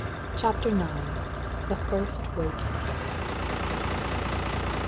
CHAPTER IX The First Waking.